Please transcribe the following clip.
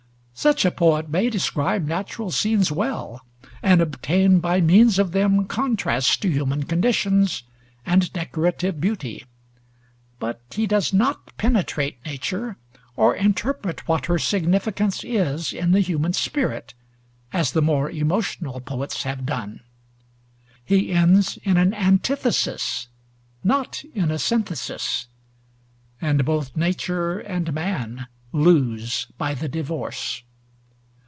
Such a poet may describe natural scenes well, and obtain by means of them contrast to human conditions, and decorative beauty; but he does not penetrate nature or interpret what her significance is in the human spirit, as the more emotional poets have done. He ends in an antithesis, not in a synthesis, and both nature and man lose by the divorce.